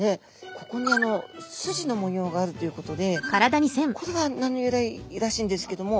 ここにあのスジの模様があるということでこれが名の由来らしいんですけども。